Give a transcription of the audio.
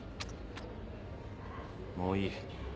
もういい。